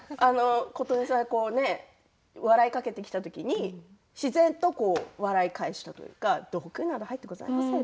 琴音さん笑いかけてきた時に自然と笑い返したというか毒など入ってございません。